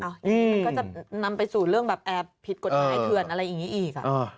มันก็จะนำไปสู่เรื่องแบบแอบผิดกฎหมายเถื่อนอะไรอย่างนี้อีก